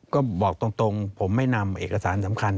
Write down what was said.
ก็บอกตรงผมไม่นำเอกสารสำคัญ